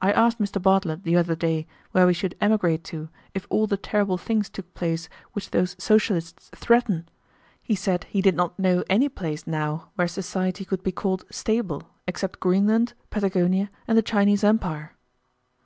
I asked Mr. Bartlett the other day where we should emigrate to if all the terrible things took place which those socialists threaten. He said he did not know any place now where society could be called stable except Greenland, Patagonia, and the Chinese Empire."